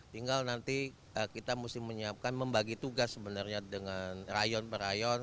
tinggal nanti kita mesti menyiapkan membagi tugas sebenarnya dengan rayon per rayon